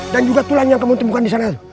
dan juga tulang yang kamu temukan disana